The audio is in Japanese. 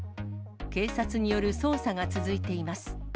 警察による捜査が続いています。